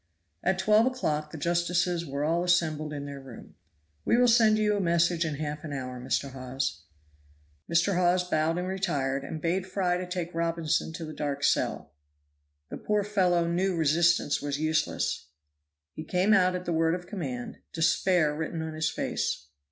At twelve o'clock the justices were all assembled in their room. "We will send you a message in half an hour, Mr. Hawes." Mr. Hawes bowed and retired, and bade Fry to take Robinson to the dark cell. The poor fellow knew resistance was useless. He came out at the word of command, despair written on his face.